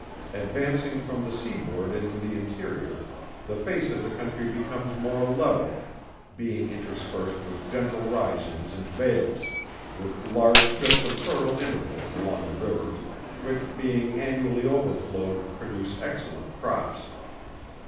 Advancing from the sea board into the interior the face of the country becomes more level, being interspersed with gentle risings and vales, with large strips of fertile intervals along the rivers, which being annually overflowed produce excellent crops.